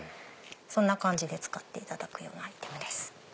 そんな感じで使っていただくアイテムです。